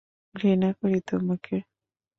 ঘৃণা করি তোমাকে!